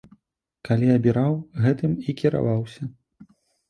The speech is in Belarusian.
Калі абіраў, гэтым і кіраваўся.